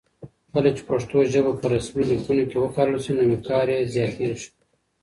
کله چې پښتو ژبه په رسمي لیکونو کې وکارول شي نو وقار یې زیاتېږي.